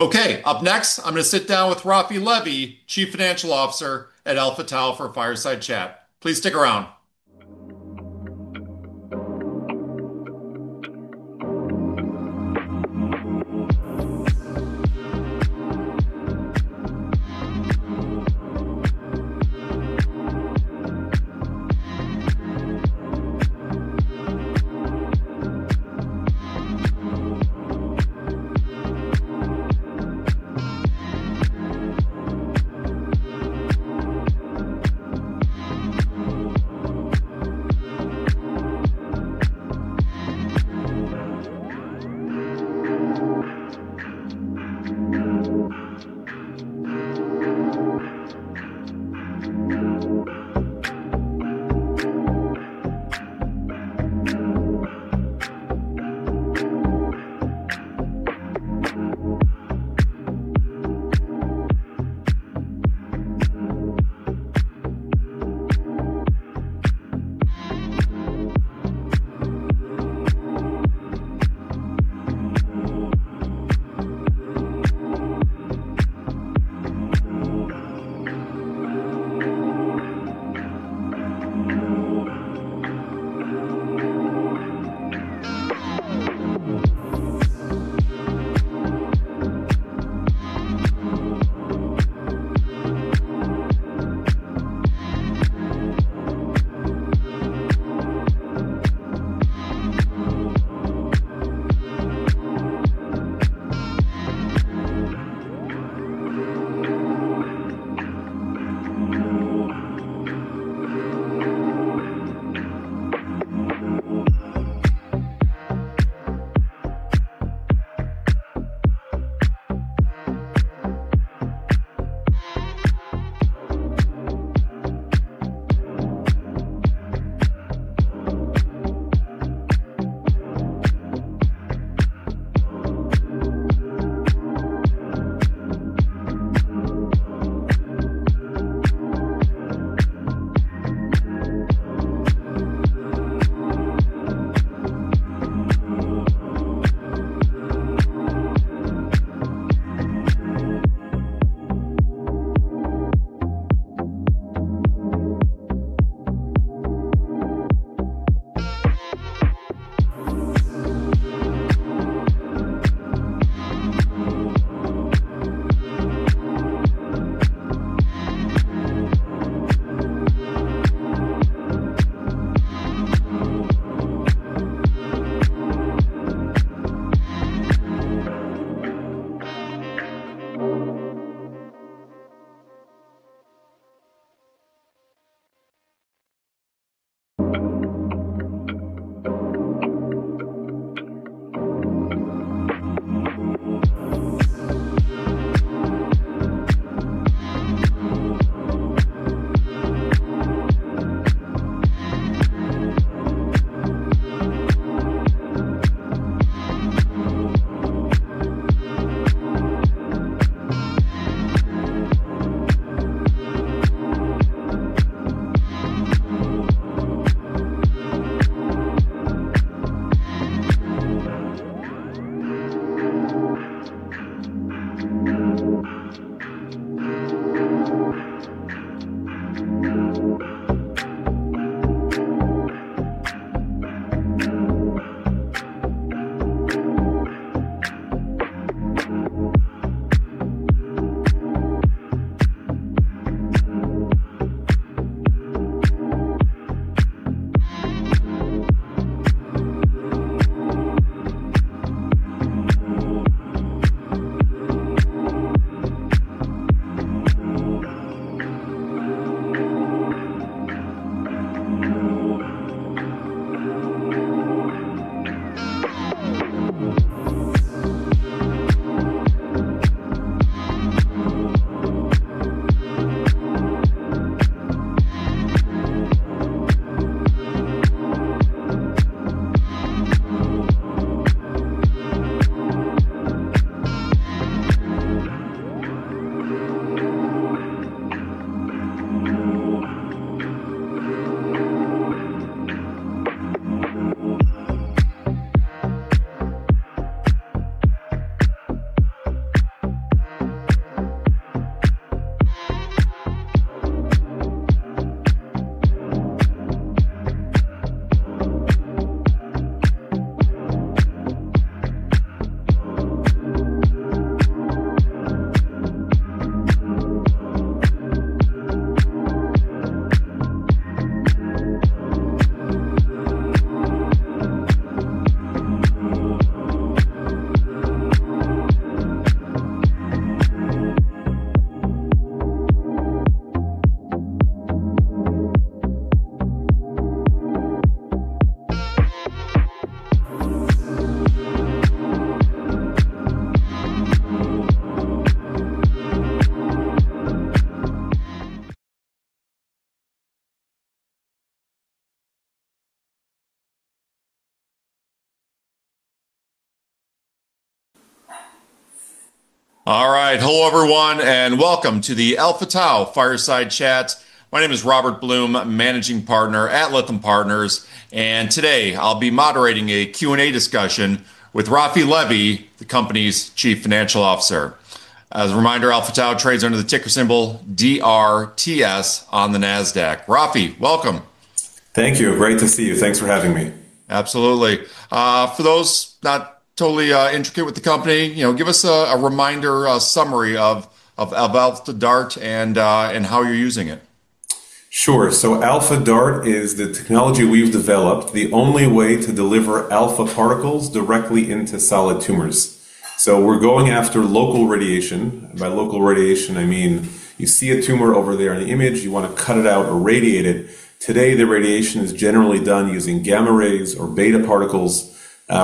Okay, up next, I'm going to sit down with Raphi Levy, Chief Financial Officer at Alpha Tau for a Fireside Chat. Please stick around. All right, hello everyone, and welcome to the Alpha Tau Fireside Chat. My name is Robert Blum, Managing Partner at Lithium Partners, and today I'll be moderating a Q&A discussion with Raphi Levy, the company's Chief Financial Officer. As a reminder, Alpha Tau trades under the ticker symbol DRTS on the Nasdaq. Raphi, welcome. Thank you. Great to see you. Thanks for having me. Absolutely. For those not totally intimate with the company, you know, give us a reminder summary of Alpha DaRT and how you're using it. Sure. So Alpha DaRT is the technology we've developed, the only way to deliver alpha particles directly into solid tumors. So we're going after local radiation. By local radiation, I mean you see a tumor over there in the image, you want to cut it out or radiate it. Today, the radiation is generally done using gamma rays or beta particles,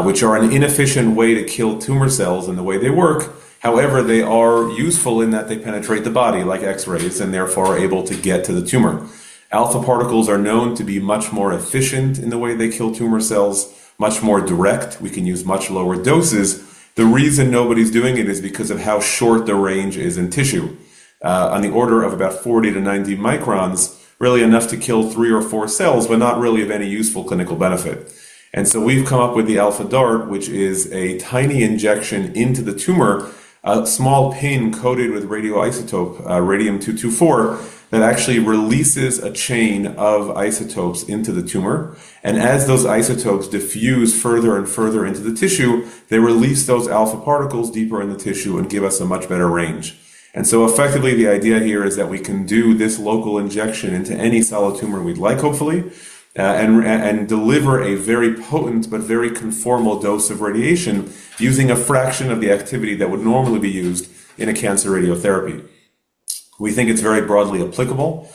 which are an inefficient way to kill tumor cells in the way they work. However, they are useful in that they penetrate the body like X-rays and therefore are able to get to the tumor. Alpha particles are known to be much more efficient in the way they kill tumor cells, much more direct. We can use much lower doses. The reason nobody's doing it is because of how short the range is in tissue, on the order of about 40-90 microns, really enough to kill three or four cells, but not really of any useful clinical benefit. We've come up with the Alpha DaRT, which is a tiny injection into the tumor, a small pin coated with radioisotope Radium-224 that actually releases a chain of isotopes into the tumor. As those isotopes diffuse further and further into the tissue, they release those alpha particles deeper in the tissue and give us a much better range. Effectively, the idea here is that we can do this local injection into any solid tumor we'd like, hopefully, and deliver a very potent but very conformal dose of radiation using a fraction of the activity that would normally be used in a cancer radiotherapy. We think it's very broadly applicable.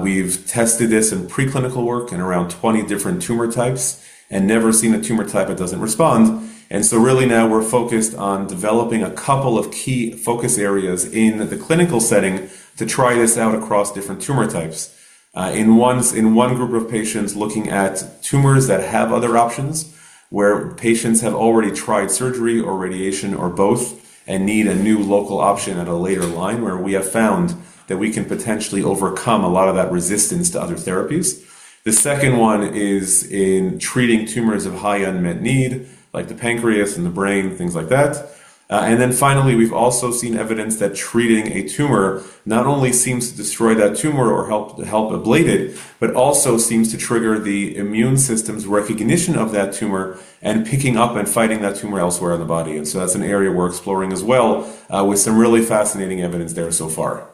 We've tested this in preclinical work in around 20 different tumor types and never seen a tumor type that doesn't respond, and so really now we're focused on developing a couple of key focus areas in the clinical setting to try this out across different tumor types. In one group of patients looking at tumors that have other options, where patients have already tried surgery or radiation or both and need a new local option at a later line where we have found that we can potentially overcome a lot of that resistance to other therapies. The second one is in treating tumors of high unmet need, like the pancreas and the brain, things like that. Finally, we've also seen evidence that treating a tumor not only seems to destroy that tumor or help ablate it, but also seems to trigger the immune system's recognition of that tumor and picking up and fighting that tumor elsewhere in the body. That's an area we're exploring as well with some really fascinating evidence there so far.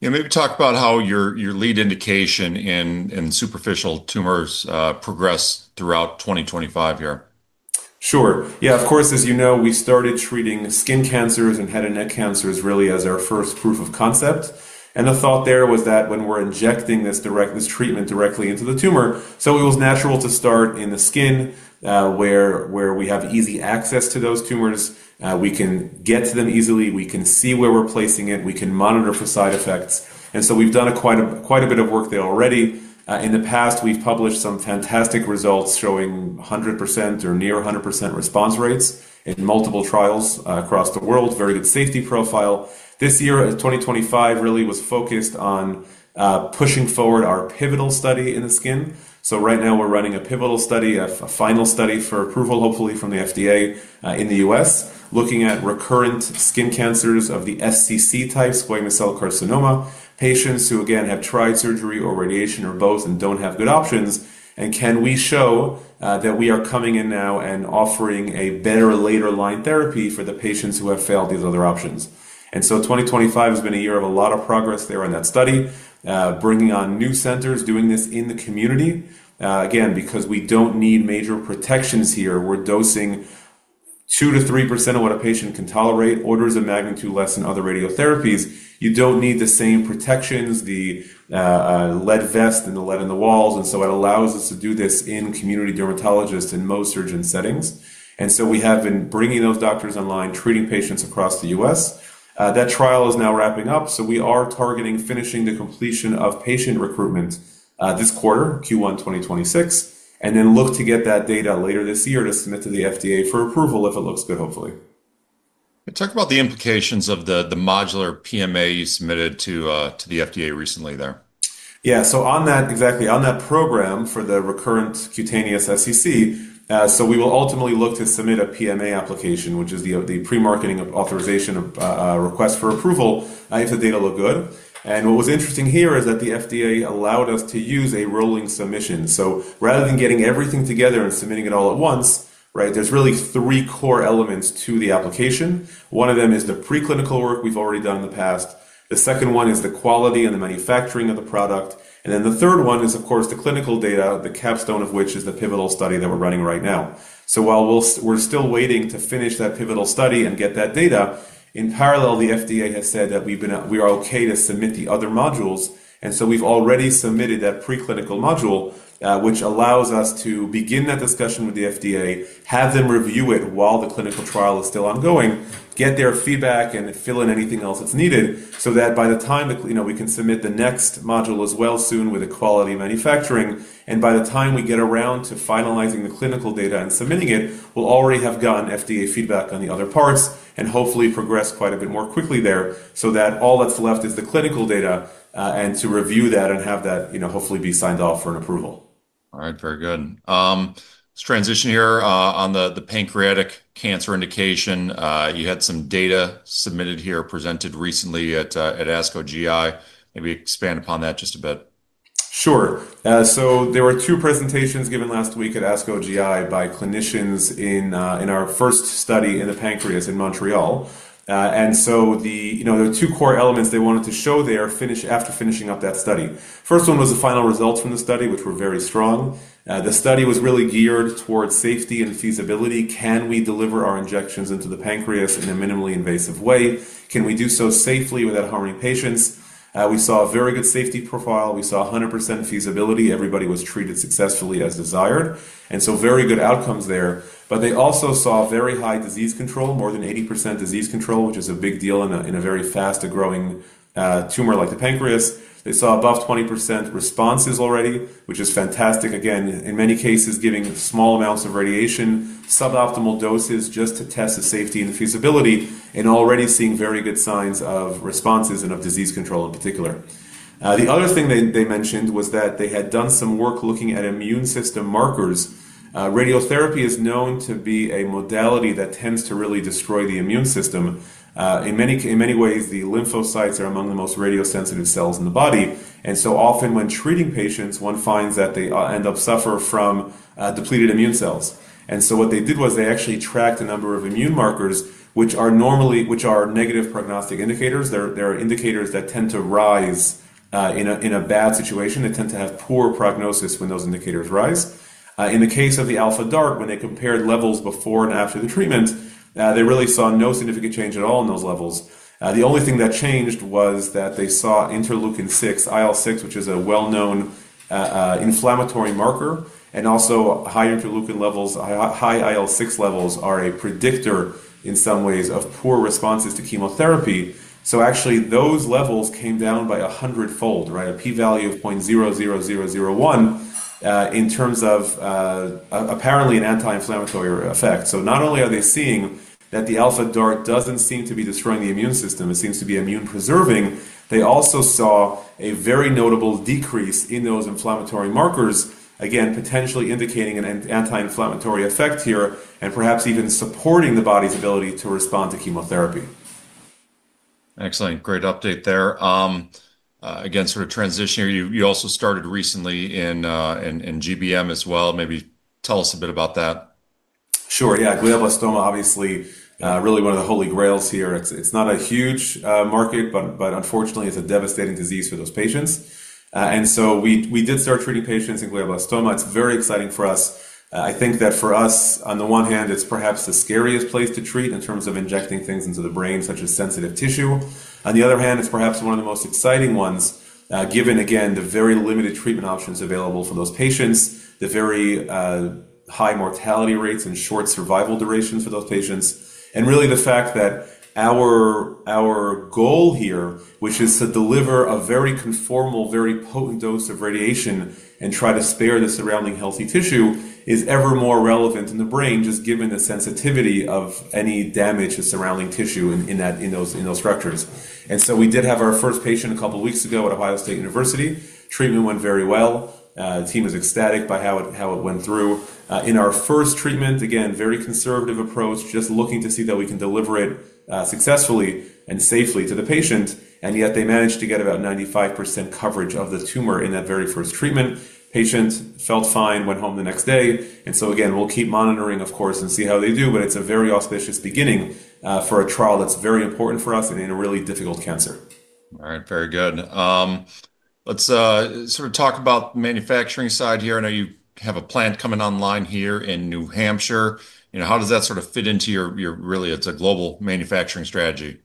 Yeah, maybe talk about how your lead indication in superficial tumors progressed throughout 2025 here. Sure. Yeah, of course, as you know, we started treating skin cancers and head and neck cancers really as our first proof of concept. And the thought there was that when we're injecting this treatment directly into the tumor, so it was natural to start in the skin where we have easy access to those tumors. We can get to them easily. We can see where we're placing it. We can monitor for side effects. And so we've done quite a bit of work there already. In the past, we've published some fantastic results showing 100% or near 100% response rates in multiple trials across the world, very good safety profile. This year, 2025, really was focused on pushing forward our pivotal study in the skin. So right now we're running a pivotal study, a final study for approval, hopefully from the FDA in the U.S., looking at recurrent skin cancers of the SCC type, squamous cell carcinoma, patients who again have tried surgery or radiation or both and don't have good options. And can we show that we are coming in now and offering a better later line therapy for the patients who have failed these other options? And so 2025 has been a year of a lot of progress there in that study, bringing on new centers, doing this in the community. Again, because we don't need major protections here, we're dosing 2%-3% of what a patient can tolerate, orders of magnitude less than other radiotherapies. You don't need the same protections, the lead vest and the lead in the walls. And so it allows us to do this in community dermatologists and most surgeon settings. And so we have been bringing those doctors online, treating patients across the U.S. That trial is now wrapping up. So we are targeting finishing the completion of patient recruitment this quarter, Q1 2026, and then look to get that data later this year to submit to the FDA for approval if it looks good, hopefully. Talk about the implications of the modular PMA you submitted to the FDA recently there. Yeah, so on that, exactly on that program for the recurrent cutaneous SCC, so we will ultimately look to submit a PMA application, which is the pre-marketing authorization request for approval if the data look good. And what was interesting here is that the FDA allowed us to use a rolling submission. So rather than getting everything together and submitting it all at once, right, there's really three core elements to the application. One of them is the preclinical work we've already done in the past. The second one is the quality and the manufacturing of the product. And then the third one is, of course, the clinical data, the capstone of which is the pivotal study that we're running right now. So while we're still waiting to finish that pivotal study and get that data, in parallel, the FDA has said that we are okay to submit the other modules. And so we've already submitted that preclinical module, which allows us to begin that discussion with the FDA, have them review it while the clinical trial is still ongoing, get their feedback, and fill in anything else that's needed so that by the time we can submit the next module as well soon with quality manufacturing. And by the time we get around to finalizing the clinical data and submitting it, we'll already have gotten FDA feedback on the other parts and hopefully progress quite a bit more quickly there so that all that's left is the clinical data and to review that and have that hopefully be signed off for an approval. All right, very good. Let's transition here on the pancreatic cancer indication. You had some data submitted here, presented recently at ASCO GI. Maybe expand upon that just a bit. Sure. So there were two presentations given last week at ASCO GI by clinicians in our first study in the pancreas in Montreal. And so there are two core elements they wanted to show there after finishing up that study. First one was the final results from the study, which were very strong. The study was really geared towards safety and feasibility. Can we deliver our injections into the pancreas in a minimally invasive way? Can we do so safely without harming patients? We saw a very good safety profile. We saw 100% feasibility. Everybody was treated successfully as desired. And so very good outcomes there. But they also saw very high disease control, more than 80% disease control, which is a big deal in a very fast growing tumor like the pancreas. They saw above 20% responses already, which is fantastic. Again, in many cases, giving small amounts of radiation, suboptimal doses just to test the safety and feasibility, and already seeing very good signs of responses and of disease control in particular. The other thing they mentioned was that they had done some work looking at immune system markers. Radiotherapy is known to be a modality that tends to really destroy the immune system. In many ways, the lymphocytes are among the most radiosensitive cells in the body. And so often when treating patients, one finds that they end up suffering from depleted immune cells. And so what they did was they actually tracked a number of immune markers, which are negative prognostic indicators. They're indicators that tend to rise in a bad situation. They tend to have poor prognosis when those indicators rise. In the case of the Alpha DaRT, when they compared levels before and after the treatment, they really saw no significant change at all in those levels. The only thing that changed was that they saw interleukin-6, IL-6, which is a well-known inflammatory marker, and also high interleukin levels, high IL-6 levels are a predictor in some ways of poor responses to chemotherapy. So actually those levels came down by a hundredfold, right? A p-value of 0.00001 in terms of apparently an anti-inflammatory effect. Not only are they seeing that the Alpha DaRT doesn't seem to be destroying the immune system, it seems to be immune preserving, they also saw a very notable decrease in those inflammatory markers, again, potentially indicating an anti-inflammatory effect here and perhaps even supporting the body's ability to respond to chemotherapy. Excellent. Great update there. Again, sort of transition here, you also started recently in GBM as well. Maybe tell us a bit about that. Sure. Yeah, Glioblastoma obviously really one of the holy grails here. It's not a huge market, but unfortunately it's a devastating disease for those patients, and so we did start treating patients in Glioblastoma. It's very exciting for us. I think that for us, on the one hand, it's perhaps the scariest place to treat in terms of injecting things into the brain, such as sensitive tissue. On the other hand, it's perhaps one of the most exciting ones, given again, the very limited treatment options available for those patients, the very high mortality rates and short survival durations for those patients, and really the fact that our goal here, which is to deliver a very conformal, very potent dose of radiation and try to spare the surrounding healthy tissue, is ever more relevant in the brain, just given the sensitivity of any damage to surrounding tissue in those structures. And so we did have our first patient a couple of weeks ago at Ohio State University. Treatment went very well. The team is ecstatic by how it went through. In our first treatment, again, very conservative approach, just looking to see that we can deliver it successfully and safely to the patient. And yet they managed to get about 95% coverage of the tumor in that very first treatment. Patient felt fine, went home the next day. And so again, we'll keep monitoring, of course, and see how they do, but it's a very auspicious beginning for a trial that's very important for us and in a really difficult cancer. All right, very good. Let's sort of talk about the manufacturing side here. I know you have a plant coming online here in New Hampshire. How does that sort of fit into your, really, it's a global manufacturing strategy?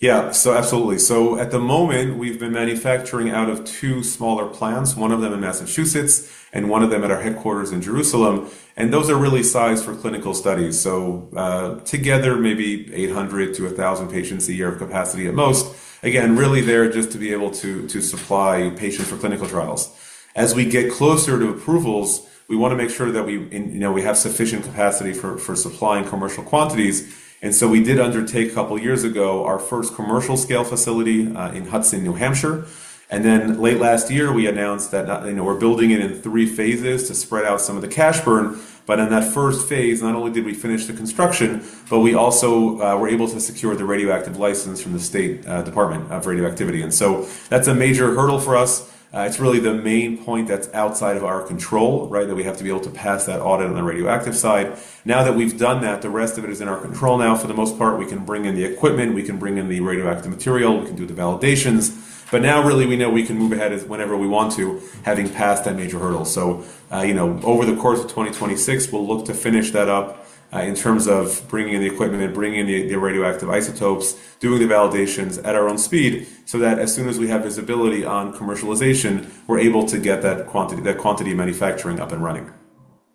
Yeah, so absolutely. So at the moment, we've been manufacturing out of two smaller plants, one of them in Massachusetts and one of them at our headquarters in Jerusalem. And those are really sized for clinical studies. So together, maybe 800-1,000 patients a year of capacity at most. Again, really there just to be able to supply patients for clinical trials. As we get closer to approvals, we want to make sure that we have sufficient capacity for supplying commercial quantities. And so we did undertake a couple of years ago our first commercial scale facility in Hudson, New Hampshire. And then late last year, we announced that we're building it in three phases to spread out some of the cash burn. But in that first phase, not only did we finish the construction, but we also were able to secure the radioactive license from the New Hampshire Department of Health and Human Services. And so that's a major hurdle for us. It's really the main point that's outside of our control, right, that we have to be able to pass that audit on the radioactive side. Now that we've done that, the rest of it is in our control now for the most part. We can bring in the equipment, we can bring in the radioactive material, we can do the validations. But now really we know we can move ahead whenever we want to, having passed that major hurdle. So over the course of 2026, we'll look to finish that up in terms of bringing in the equipment and bringing in the radioactive isotopes, doing the validations at our own speed so that as soon as we have visibility on commercialization, we're able to get that quantity of manufacturing up and running.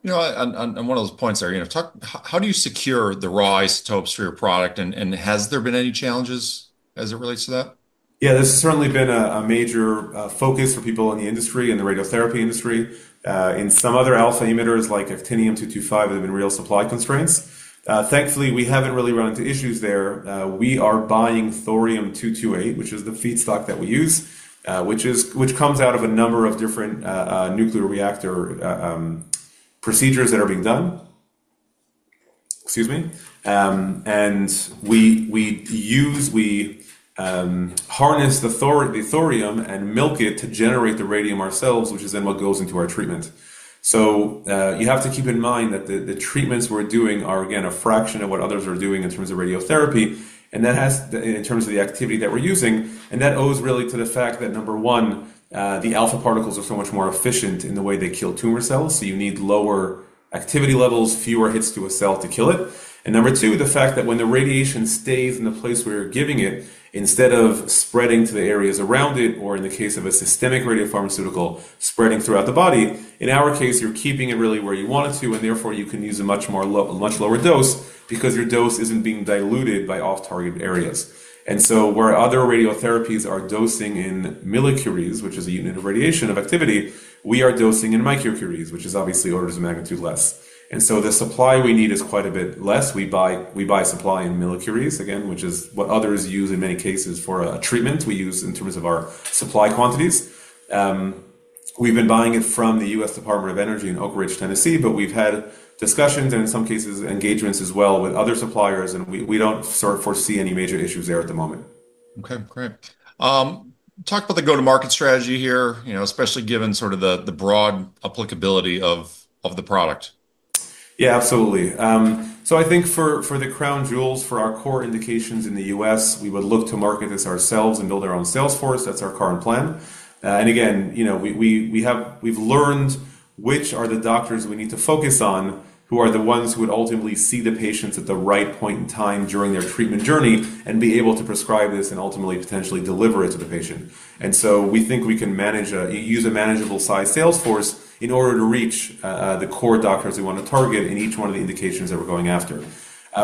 You know, on one of those points there, how do you secure the raw isotopes for your product? And has there been any challenges as it relates to that? Yeah, this has certainly been a major focus for people in the industry and the radiotherapy industry. In some other alpha emitters like Actinium-225, there have been real supply constraints. Thankfully, we haven't really run into issues there. We are buying Thorium-228, which is the feedstock that we use, which comes out of a number of different nuclear reactor procedures that are being done, excuse me, and we harness the thorium and milk it to generate the radium ourselves, which is then what goes into our treatment, so you have to keep in mind that the treatments we're doing are, again, a fraction of what others are doing in terms of radiotherapy, and that has, in terms of the activity that we're using, and that owes really to the fact that number one, the alpha particles are so much more efficient in the way they kill tumor cells. So you need lower activity levels, fewer hits to a cell to kill it. Number two, the fact that when the radiation stays in the place where you're giving it, instead of spreading to the areas around it, or in the case of a systemic radiopharmaceutical, spreading throughout the body, in our case, you're keeping it really where you want it to, and therefore you can use a much lower dose because your dose isn't being diluted by off-target areas. So where other radiotherapies are dosing in millicuries, which is a unit of radioactivity, we are dosing in microcuries, which is obviously orders of magnitude less. So the supply we need is quite a bit less. We buy supply in millicuries, again, which is what others use in many cases for a treatment we use in terms of our supply quantities. We've been buying it from the U.S. Department of Energy in Oak Ridge, Tennessee, but we've had discussions and in some cases engagements as well with other suppliers. And we don't foresee any major issues there at the moment. Okay, great. Talk about the go-to-market strategy here, especially given sort of the broad applicability of the product. Yeah, absolutely. So I think for the crown jewels, for our core indications in the U.S., we would look to market this ourselves and build our own sales force. That's our current plan. And again, we've learned which are the doctors we need to focus on, who are the ones who would ultimately see the patients at the right point in time during their treatment journey and be able to prescribe this and ultimately potentially deliver it to the patient. And so we think we can use a manageable size sales force in order to reach the core doctors we want to target in each one of the indications that we're going after.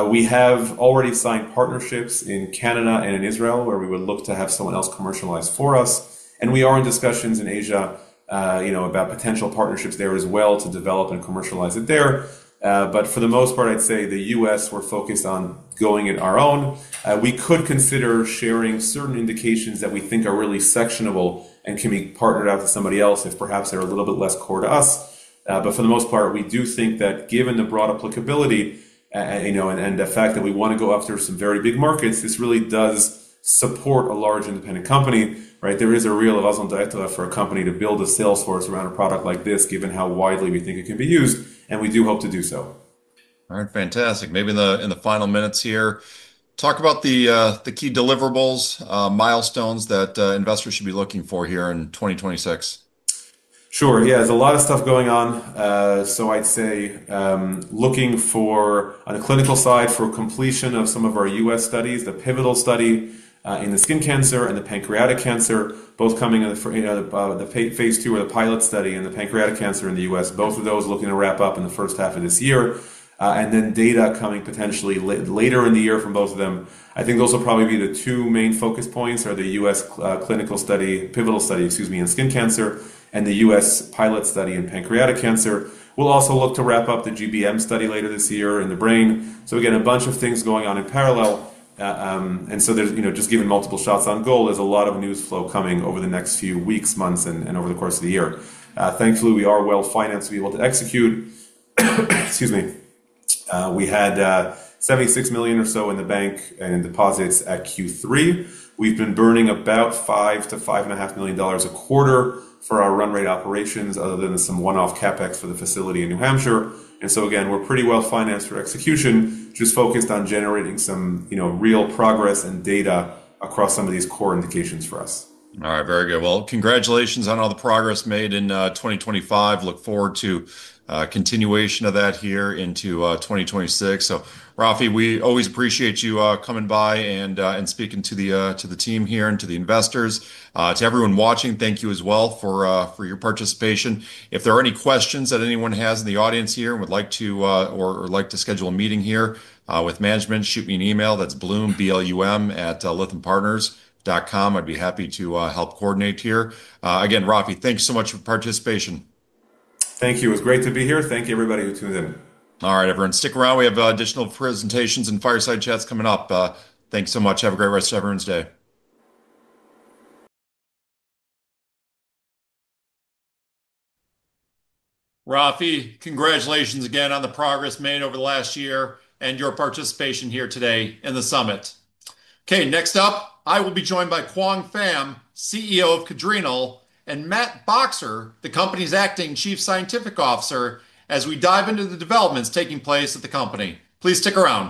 We have already signed partnerships in Canada and in Israel where we would look to have someone else commercialize for us. We are in discussions in Asia about potential partnerships there as well to develop and commercialize it there. For the most part, I'd say the U.S., we're focused on going it alone. We could consider sharing certain indications that we think are really actionable and can be partnered out to somebody else if perhaps they're a little bit less core to us. For the most part, we do think that given the broad applicability and the fact that we want to go after some very big markets, this really does support a large independent company, right? There is a real viability for a company to build a sales force around a product like this, given how widely we think it can be used. We do hope to do so. All right, fantastic. Maybe in the final minutes here, talk about the key deliverables, milestones that investors should be looking for here in 2026. Sure. Yeah, there's a lot of stuff going on. So I'd say looking on the clinical side for completion of some of our U.S. studies, the pivotal study in the skin cancer and the pancreatic cancer, both coming in the Phase II or the pilot study in the pancreatic cancer in the U.S., both of those looking to wrap up in the first half of this year. And then data coming potentially later in the year from both of them. I think those will probably be the two main focus points are the U.S. clinical study, pivotal study, excuse me, in skin cancer and the U.S. pilot study in pancreatic cancer. We'll also look to wrap up the GBM study later this year in the brain. So again, a bunch of things going on in parallel. And so just given multiple shots on goal, there's a lot of news flow coming over the next few weeks, months, and over the course of the year. Thankfully, we are well financed to be able to execute. Excuse me. We had $76 million or so in the bank and in deposits at Q3. We've been burning about $5 million to $5.5 million a quarter for our run rate operations other than some one-off CapEx for the facility in New Hampshire. And so again, we're pretty well financed for execution, just focused on generating some real progress and data across some of these core indications for us. All right, very good. Well, congratulations on all the progress made in 2025. Look forward to continuation of that here into 2026. So Raphi, we always appreciate you coming by and speaking to the team here and to the investors. To everyone watching, thank you as well for your participation. If there are any questions that anyone has in the audience here and would like to or like to schedule a meeting here with management, shoot me an email. That's blum@lithiumpartners.com. I'd be happy to help coordinate here. Again, Raphi, thanks so much for participation. Thank you. It was great to be here. Thank you, everybody who tuned in. All right, everyone, stick around. We have additional presentations and fireside chats coming up. Thanks so much. Have a great rest of everyone's day. Raphi, congratulations again on the progress made over the last year and your participation here today in the summit. Okay, next up, I will be joined by Quang Pham, CEO of Cadrenal, and Matt Boxer, the company's Acting Chief Scientific Officer, as we dive into the developments taking place at the company. Please stick around.